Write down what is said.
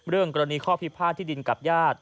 กรณีข้อพิพาทที่ดินกับญาติ